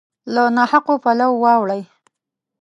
له نا حقو پولو واوړي